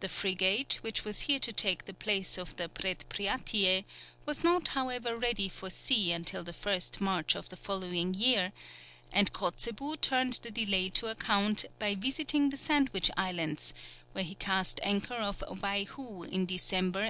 The frigate, which was here to take the place of the Predpriatie, was not however ready for sea until the 1st March of the following year, and Kotzebue turned the delay to account by visiting the Sandwich Islands, where he cast anchor off Waihou in December, 1824.